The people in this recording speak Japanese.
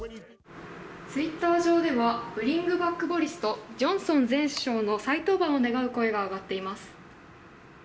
ツイッター上では「＃ＢｒｉｎｇＢａｃｋＢｏｒｉｓ」とジョンソン前首相の再登板を願う声が上がっています。